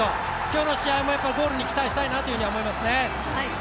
今日の試合もゴールに期待したいなと思いますね。